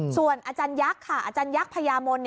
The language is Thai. ส่วนอาจารยักษ์ค่ะอาจารยักษ์พญามน